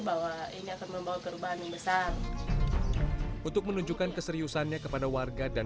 bahwa ini akan membawa perubahan yang besar untuk menunjukkan keseriusannya kepada warga dan